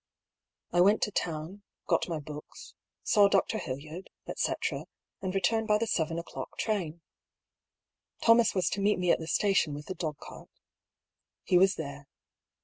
I went to town, got my books, saw Dr. Hildyard, etcetera, and returned by the seven o'clock train. Thomas was to meet me at the station with the dog cart. He was there.